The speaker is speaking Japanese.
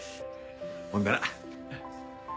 ほんなら。